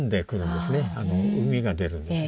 うみが出るんですね。